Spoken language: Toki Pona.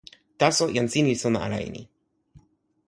taso, jan sin li sona ala e ni.